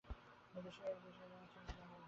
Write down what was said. এ-দেশে এখন এ-দেশী রঙচঙ ব্যামো সব।